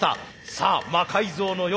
さあ「魔改造の夜」